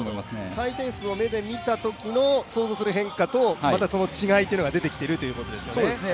回転数を目で見たときの想像する変化と違いが出てきているということですね。